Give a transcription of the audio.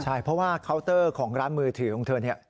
ใช่เพราะว่าเคาน์เตอร์ของร้านมือถือของเธอเนี่ย